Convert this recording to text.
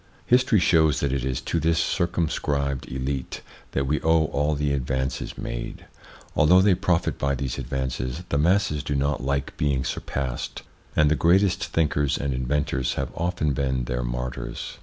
History shows that it is to this circumscribed elite that we owe all the advances made. Although they profit by these advances, the masses do not like being surpassed, and the greatest thinkers and inventors have often been their martyrs.